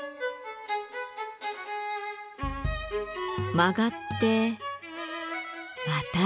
曲がってまた上る。